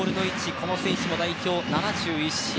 この選手も代表７１試合。